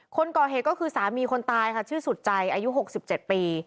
คนก่อเหตุก็คือสามีคนตายค่ะชื่อสุดใจอายุ๖๗ปี